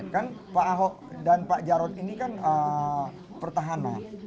kan pak ahok dan pak jarod ini kan pertahanan